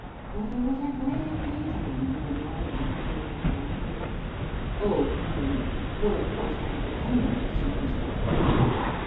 " That there was great danger when people married out of their own rank of life. "" Oh — ah — well, of course, that would depend on cir cumstances."